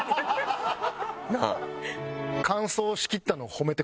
なあ？